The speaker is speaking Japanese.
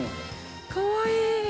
◆かわいい。